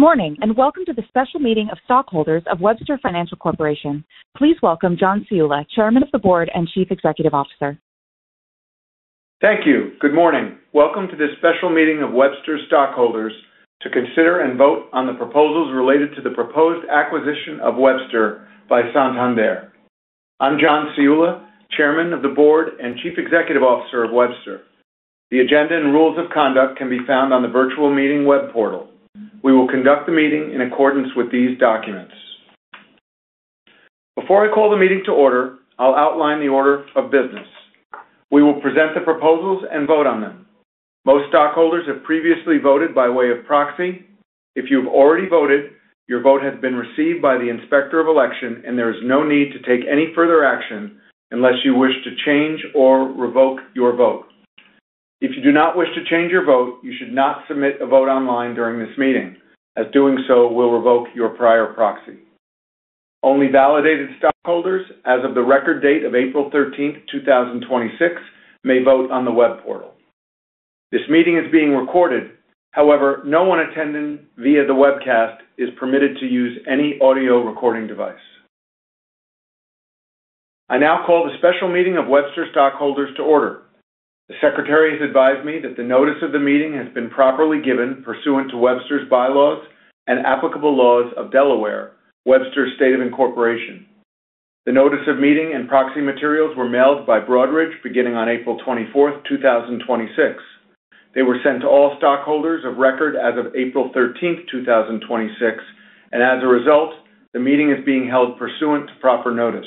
Good morning, and welcome to the special meeting of stockholders of Webster Financial Corporation. Please welcome John Ciulla, Chairman of the Board and Chief Executive Officer. Thank you. Good morning. Welcome to this special meeting of Webster stockholders to consider and vote on the proposals related to the proposed acquisition of Webster by Santander. I'm John Ciulla, Chairman of the Board and Chief Executive Officer of Webster. The agenda and rules of conduct can be found on the virtual meeting web portal. We will conduct the meeting in accordance with these documents. Before I call the meeting to order, I'll outline the order of business. We will present the proposals and vote on them. Most stockholders have previously voted by way of proxy. If you have already voted, your vote has been received by the Inspector of Election, and there is no need to take any further action unless you wish to change or revoke your vote. If you do not wish to change your vote, you should not submit a vote online during this meeting, as doing so will revoke your prior proxy. Only validated stockholders as of the record date of April 13th, 2026, may vote on the web portal. This meeting is being recorded. However, no one attending via the webcast is permitted to use any audio recording device. I now call the special meeting of Webster stockholders to order. The Secretary has advised me that the notice of the meeting has been properly given pursuant to Webster's bylaws and applicable laws of Delaware, Webster's state of incorporation. The notice of meeting and proxy materials were mailed by Broadridge beginning on April 24th, 2026. They were sent to all stockholders of record as of April 13th, 2026. As a result, the meeting is being held pursuant to proper notice.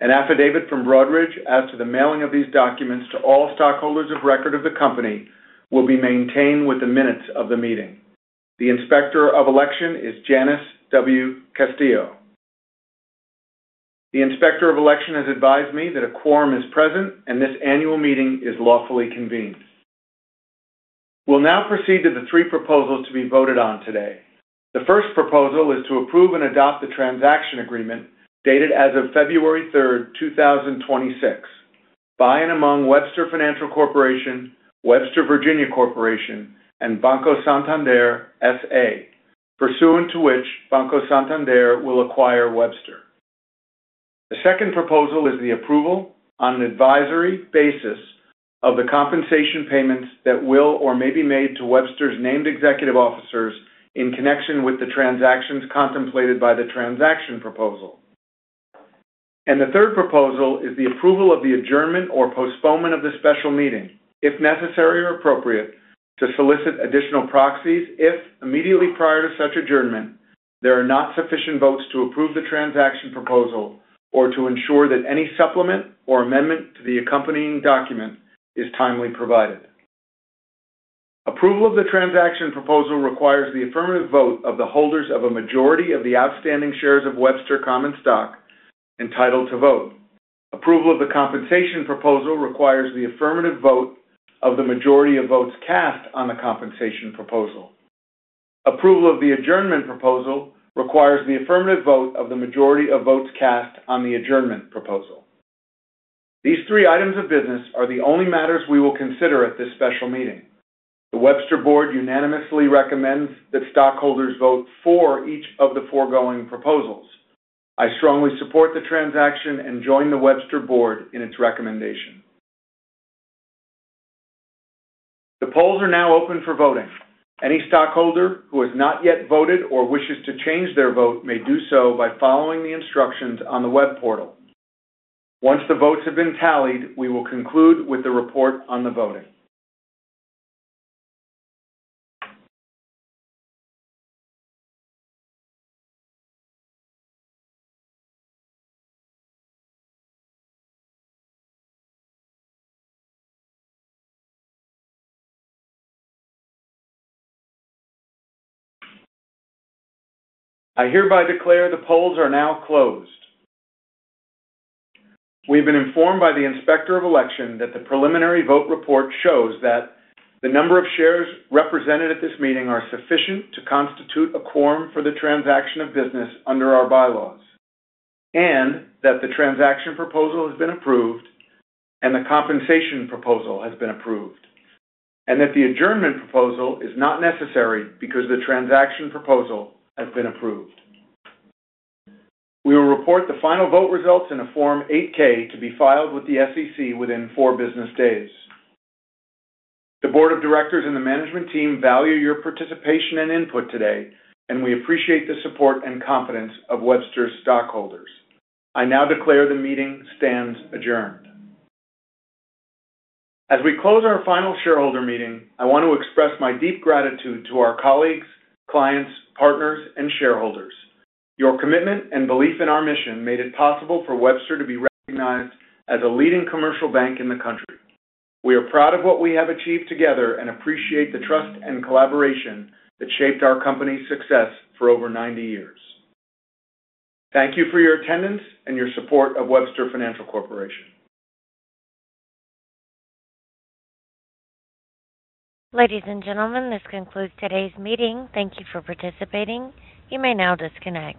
An affidavit from Broadridge as to the mailing of these documents to all stockholders of record of the company will be maintained with the minutes of the meeting. The Inspector of Election is Janice W. Castillo. The Inspector of Election has advised me that a quorum is present, and this special meeting is lawfully convened. We'll now proceed to the three proposals to be voted on today. The first proposal is to approve and adopt the transaction agreement dated as of February 3rd, 2026, by and among Webster Financial Corporation, Webster Virginia Corporation, and Banco Santander, S.A., pursuant to which Banco Santander will acquire Webster. The second proposal is the approval on an advisory basis of the compensation payments that will or may be made to Webster's named executive officers in connection with the transactions contemplated by the transaction proposal. The third proposal is the approval of the adjournment or postponement of the special meeting, if necessary or appropriate, to solicit additional proxies if immediately prior to such adjournment, there are not sufficient votes to approve the transaction proposal or to ensure that any supplement or amendment to the accompanying document is timely provided. Approval of the transaction proposal requires the affirmative vote of the holders of a majority of the outstanding shares of Webster common stock entitled to vote. Approval of the compensation proposal requires the affirmative vote of the majority of votes cast on the compensation proposal. Approval of the adjournment proposal requires the affirmative vote of the majority of votes cast on the adjournment proposal. These three items of business are the only matters we will consider at this special meeting. The Webster board unanimously recommends that stockholders vote for each of the foregoing proposals. I strongly support the transaction and join the Webster board in its recommendation. The polls are now open for voting. Any stockholder who has not yet voted or wishes to change their vote may do so by following the instructions on the web portal. Once the votes have been tallied, we will conclude with a report on the voting. I hereby declare the polls are now closed. We've been informed by the Inspector of Election that the preliminary vote report shows that the number of shares represented at this meeting is sufficient to constitute a quorum for the transaction of business under our bylaws, and that the transaction proposal has been approved and the compensation proposal has been approved, and that the adjournment proposal is not necessary because the transaction proposal has been approved. We will report the final vote results in a Form 8-K to be filed with the SEC within four business days. The board of directors and the management team value your participation and input today, and we appreciate the support and confidence of Webster stockholders. I now declare the meeting stands adjourned. As we close our final shareholder meeting, I want to express my deep gratitude to our colleagues, clients, partners, and shareholders. Your commitment and belief in our mission made it possible for Webster to be recognized as a leading commercial bank in the country. We are proud of what we have achieved together and appreciate the trust and collaboration that shaped our company's success for over 90 years. Thank you for your attendance and your support of Webster Financial Corporation. Ladies and gentlemen, this concludes today's meeting. Thank you for participating. You may now disconnect.